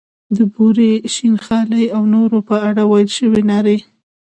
د بورې، شین خالۍ او نورو په اړه ویل شوې نارې.